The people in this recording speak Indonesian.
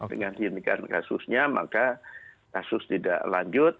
dengan dihentikan kasusnya maka kasus tidak lanjut